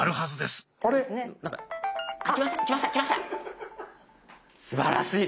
すばらしい。